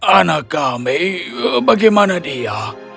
anak kami bagaimana dia